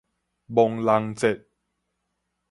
亡人節